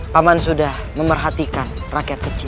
paman sudah memerhatikan rakyat kecil